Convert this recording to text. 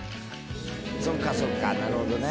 そっかそっかなるほどね。